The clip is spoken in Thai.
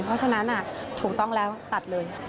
เพราะฉะนั้นถูกต้องแล้วตัดเลย